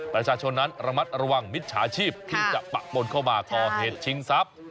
ประชาชนนั้นระมัดระวังมิจฉาชีพที่จะปะปนเข้ามาก่อเหตุชิงทรัพย์